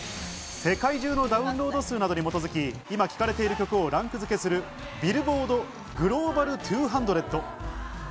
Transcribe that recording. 世界中のダウンロード数などに基づき、今、聴かれている曲をランク付けする、ビルボード・グローバル２００。